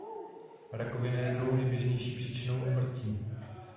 Rakovina je druhou neběžnější příčinou úmrtí.